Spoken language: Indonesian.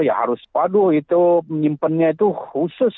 ya harus waduh itu menyimpannya itu khusus